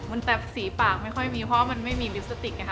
มันแต่ฝีปากไม่ค่อยมีเพราะมันไม่มีลิปสติกไงค่ะ